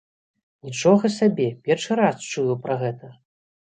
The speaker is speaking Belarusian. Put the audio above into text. Нічога сабе, першы раз чую пра гэта!